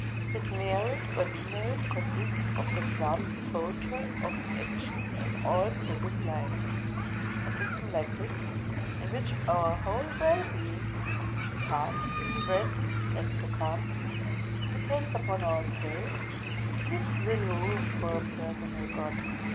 His merit or demerit con sists of the sum total of his actions in all pre\aous lives. A system like this, in which our whole well being — past, present, and to come — depends upon ourselves, leaves little room for a personal God.